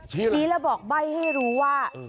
ชี้แล้วบอกใบ้ให้รู้ว่า